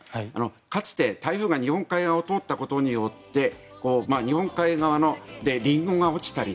かつて、台風が日本海側を通ったことで日本海側でリンゴが落ちたり